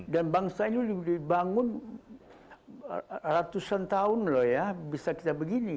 dan bangsa ini dibangun ratusan tahun loh ya bisa kita begini